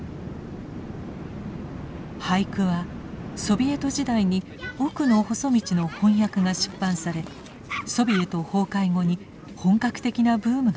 俳句はソビエト時代に「おくのほそ道」の翻訳が出版されソビエト崩壊後に本格的なブームが起きました。